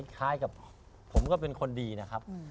คล้ายกับผมก็เป็นคนดีนะครับ